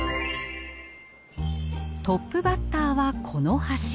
トップバッターはこの橋。